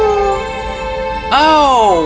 oh mengemaskan sekali